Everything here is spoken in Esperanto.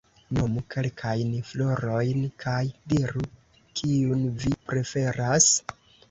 Nomu kelkajn florojn kaj diru, kiun vi preferas?